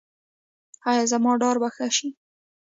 ایا زما ډار به ښه شي؟